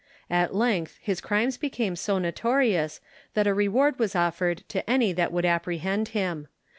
At length his crimes became so notorious, that a reward was offered to any that would apprehend him.